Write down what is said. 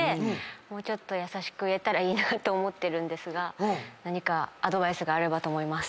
もうちょっと優しく言えたらいいなと思ってるんですが何かアドバイスがあればと思います。